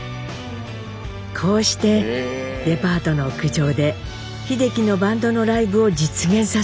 こうしてデパートの屋上で秀樹のバンドのライブを実現させました。